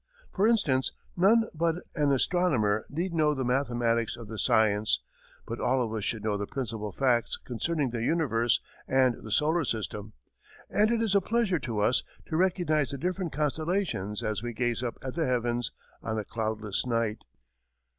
For instance, none but an astronomer need know the mathematics of the science, but all of us should know the principal facts concerning the universe and the solar system, and it is a pleasure to us to recognize the different constellations as we gaze up at the heavens on a cloudless night.